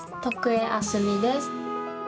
徳江あすみです。